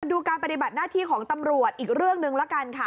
ดูการปฏิบัติหน้าที่ของตำรวจอีกเรื่องหนึ่งละกันค่ะ